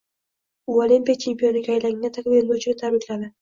U olimpiya chempioniga aylangan taekvondochini tabrikladi.